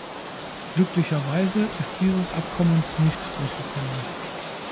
Glücklicherweise ist dieses Abkommen nicht durchgekommen.